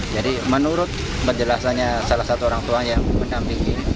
jadi menurut penjelasannya salah satu orang tua yang menampingi